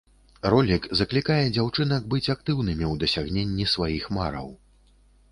Ролік заклікае дзяўчынак быць актыўнымі ў дасягненні сваіх мараў.